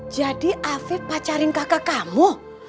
jadi afif pacarin kakak kamu